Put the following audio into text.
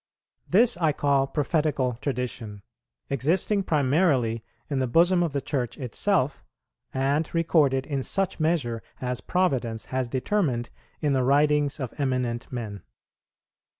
This I call Prophetical Tradition, existing primarily in the bosom of the Church itself, and recorded in such measure as Providence has determined in the writings of eminent men.